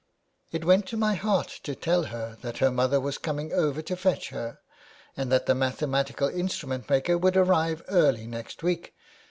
It went to my heart to tell her that her mother was coming over to fetch her, and that the mathematical instrument maker would arrive early next week.